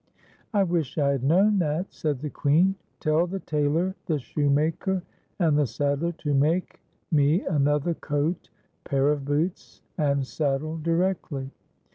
" I wish I had known that," said the Queen. "Tell the tailor, the shoemaker, and the saddler to make me another coat, pair of boots, and saddle directly.